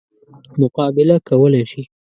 مقابله کولای شي.